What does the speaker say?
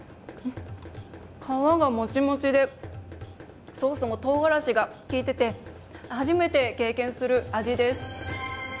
皮がもちもちでソースもとうがらしが利いてて初めて経験する味です。